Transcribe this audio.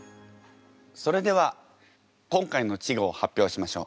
それでは今回の稚語を発表しましょう。